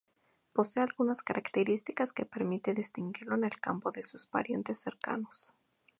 Posee algunas características que permiten distinguirlo en el campo de sus parientes cercanos.